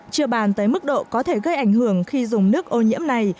chưa bàn tới mức độ có thể gây ảnh hưởng khi dùng nước ô nhiễm này